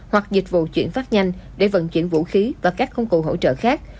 hoặc dịch vụ chuyển phát nhanh để vận chuyển vũ khí và các công cụ hỗ trợ khác